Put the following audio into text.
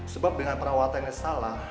sebab dengan perawatan yang salah